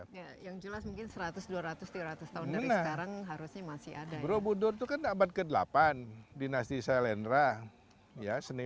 pembicara enam puluh dua yang jelas mungkin seratus dua ratus tiga ratus tahun dari sekarang harusnya masih ada ya